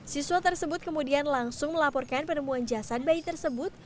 siswa tersebut kemudian langsung melaporkan penemuan jasad bayi tersebut